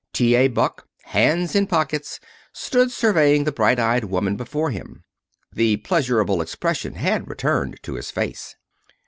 T. A. Buck, hands in pockets, stood surveying the bright eyed woman before him. The pleasurable expression had returned to his face.